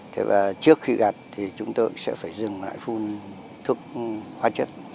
thế và trước khi gạt thì chúng tôi sẽ phải dừng lại phun thuốc hóa chất